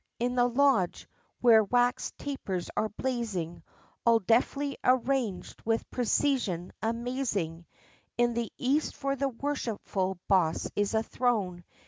_ In the Lodge, where wax tapers are blazing, All deftly arranged with precision amazing: In the east for the Worshipful Boss is a throne.